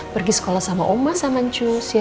pergi sekolah sama oma sama ncus ya